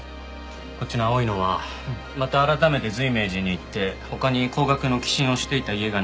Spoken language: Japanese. こっちの青いのはまた改めて随明寺に行って他に高額の寄進をしていた家がないか調べたんだ。